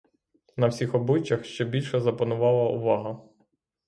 На всіх обличчях ще більша запанувала увага.